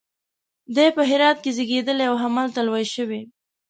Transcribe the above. دی په هرات کې زیږېدلی او همالته لوی شوی.